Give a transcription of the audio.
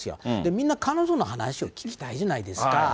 みんな彼女の話を聞きたいじゃないですか。